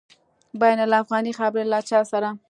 بین الافغاني خبري له چا سره؟